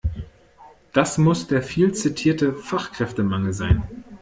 Das muss der viel zitierte Fachkräftemangel sein.